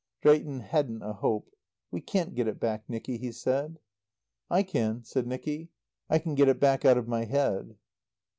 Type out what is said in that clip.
Drayton hadn't a hope. "We can't get it back, Nicky," he said. "I can," said Nicky, "I can get it back out of my head."